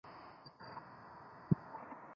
从父命接任藏军前线副指挥官之职。